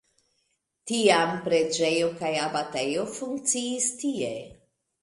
Tiam preĝejo kaj abatejo funkciis tie.